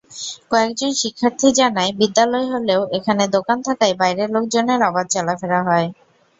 কয়েকজন শিক্ষার্থী জানায়, বিদ্যালয় হলেও এখানে দোকান থাকায় বাইরের লোকজনের অবাধ চলাফেরা হয়।